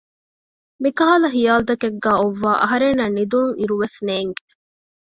މިކަހަލަ ހިޔާލު ތަކެއްގައި އޮއްވައި އަހަރެންނަށް ނިދުން އިރެއްވެސް ނޭންގެ